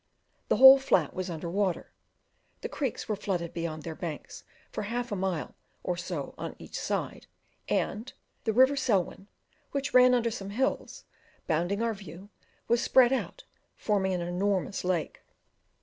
The whole flat was under water, the creeks were flooded beyond their banks for half a mile or so on each side, and the river Selwyn, which ran under some hills, bounding our view, was spread out, forming an enormous lake.